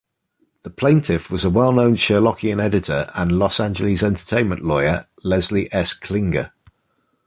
The plaintiff was well-known Sherlockian editor, and Los Angeles entertainment lawyer, Leslie S. Klinger.